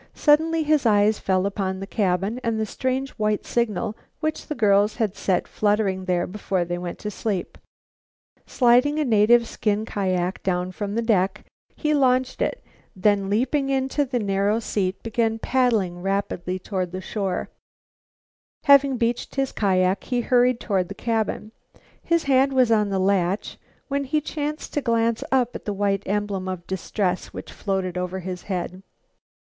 Suddenly his eyes fell upon the cabin and the strange white signal which the girls had set fluttering there before they went to sleep. Sliding a native skin kiak down from the deck, he launched it, then leaping into the narrow seat, began paddling rapidly toward land. Having beached his kiak, he hurried toward the cabin. His hand was on the latch, when he chanced to glance up at the white emblem of distress which floated over his head.